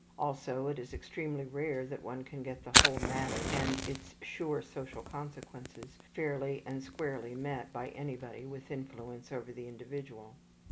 Also it is extremely rare that one can get the whole matter, and its sure social consequences, fairly and squarely met by anybody with influence over the individual.